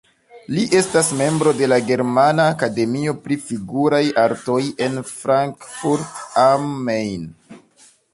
Li estas membro de la Germana akademio pri figuraj artoj en Frankfurt am Main.